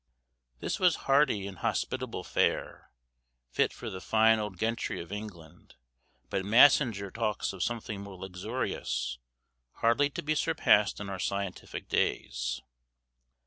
This was hearty and hospitable fare, fit for the fine old gentry of England; but Massinger talks of something more luxurious, hardly to be surpassed in our scientific days.